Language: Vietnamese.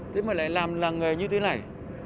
thế mà lại làm làng nghề như thế này